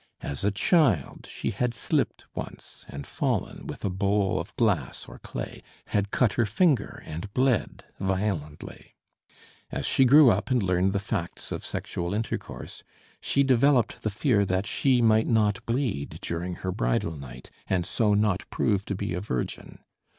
As a child she had slipped once and fallen with a bowl of glass or clay, had cut her finger, and bled violently. As she grew up and learned the facts of sexual intercourse, she developed the fear that she might not bleed during her bridal night and so not prove to be a virgin.